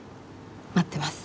待ってます。